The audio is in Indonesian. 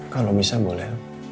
kalau bisa boleh